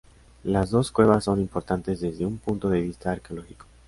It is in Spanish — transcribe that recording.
Las dos cuevas son importantes desde un punto de vista arqueológico.